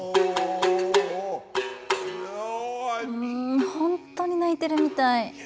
うん本当に泣いてるみたい。